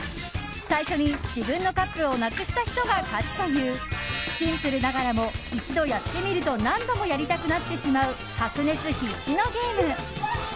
最初に自分のカップをなくした人が勝ちというシンプルながらも一度やってみると何度もやりたくなってしまう白熱必至のゲーム。